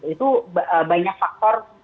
itu banyak faktor